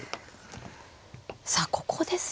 さあここですよね。